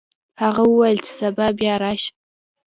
هغه وویل چې سبا بیا راشه.